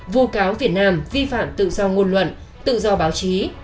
vô cáo việt nam vi phạm tự do ngôn luận tự do báo chí